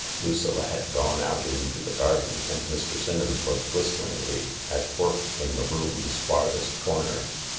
Lucilla had gone out into the garden, and Mr. Simmons was whistlingly at work in the room's farthest corner.